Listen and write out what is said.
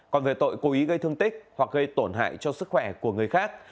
còn về tội cố ý gây thương tích hoặc gây tổn hại cho sức khỏe của người khác